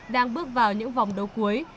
đang bước vào những vòng đấu cuối